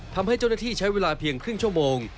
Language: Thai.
ทำให้เจ้าหน้าที่ใช้เวลาเพียงครึ่งชั่วโมง